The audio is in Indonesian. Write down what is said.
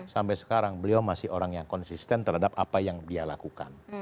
sampai sekarang beliau masih orang yang konsisten terhadap apa yang dia lakukan